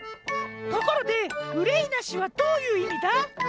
ところで「うれいなし」はどういういみだ？